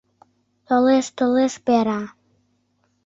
Толеш, толеш — пера!»